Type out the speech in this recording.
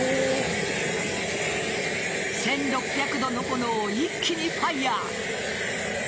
１６００度の炎を一気にファイヤー。